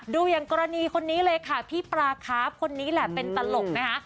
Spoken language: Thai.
อย่างกรณีคนนี้เลยค่ะพี่ปลาครับคนนี้แหละเป็นตลกนะคะ